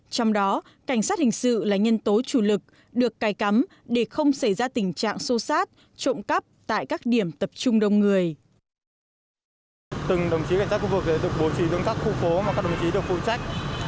trong đó cảnh sát hình sự là nhân tố chủ lực được cài cắm để không xảy ra tình trạng sâu sát